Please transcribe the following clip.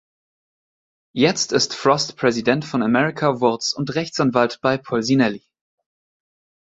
Jetzt ist Frost Präsident von America Votes und Rechtsanwalt bei Polsinelli.